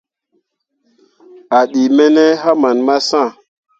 A ɗii me ne haman massh.